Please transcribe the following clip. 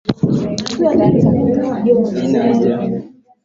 rika la ndege kantas la australia limeahirisha safari za ndege